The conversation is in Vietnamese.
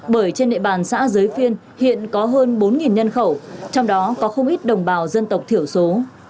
bởi trên địa bàn xã giới phiên hiện có hơn bốn nhân khẩu trong đó có không ít đồng bào dân tộc thiểu số